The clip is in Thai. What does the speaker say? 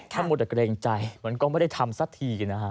ทั้งหมดจะเกรงใจเหมือนก็ไม่ได้ทำสักทีนะฮะ